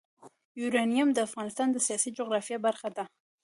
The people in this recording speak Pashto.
یورانیم د افغانستان د سیاسي جغرافیه برخه ده.